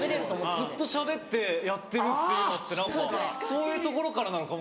ずっとしゃべってやってるっていうのって何かそういうところからなのかも。